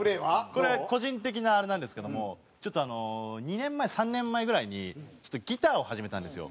これ個人的なあれなんですけどもちょっとあの２年前３年前ぐらいにギターを始めたんですよ。